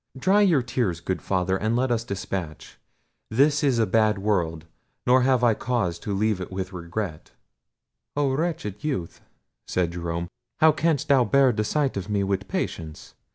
Dry your tears, good Father, and let us despatch. This is a bad world; nor have I had cause to leave it with regret." "Oh wretched youth!" said Jerome; "how canst thou bear the sight of me with patience?